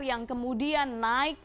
yang kemudian naik